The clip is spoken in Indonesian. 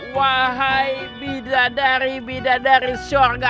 wahai bidadari bidadari syurga